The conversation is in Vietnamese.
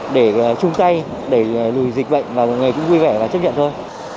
để chung tay để lùi dịch bệnh và người cũng vui vẻ và chấp nhận thôi